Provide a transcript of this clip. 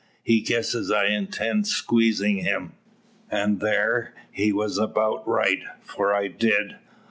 He guesses I intended squeezin' him; an' thar he was about right, for I did.